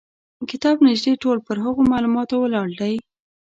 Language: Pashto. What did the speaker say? کتاب نیژدې ټول پر هغو معلوماتو ولاړ دی.